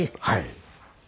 はい。